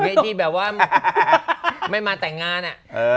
เด้อนี่ที่แบบว่าไม่มาแต่งงานอะ